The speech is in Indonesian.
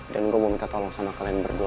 dan gue mau minta tolong sama kalian berdua